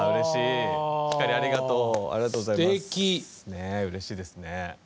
ねえうれしいですね。